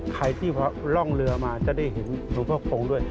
ใครที่ร่องเรือมาจะได้เห็นหลวงพ่อคงด้วย